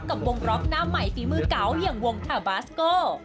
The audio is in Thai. กับวงล็อกหน้าใหม่ฝีมือเก่าอย่างวงคาบาสโก